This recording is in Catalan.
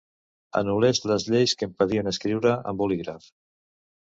Anul·lés les lleis que impedien escriure amb bolígraf.